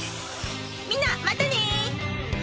みんなまたね